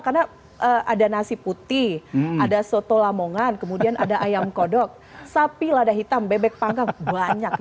karena ada nasi putih ada soto lamongan kemudian ada ayam kodok sapi lada hitam bebek panggang banyak